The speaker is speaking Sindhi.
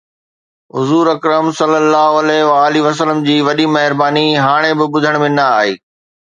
حضور اڪرم صلي الله عليه وآله وسلم جي وڏي مهرباني هاڻي به ٻڌڻ ۾ نه آئي